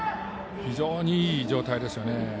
非常にいい状態ですね。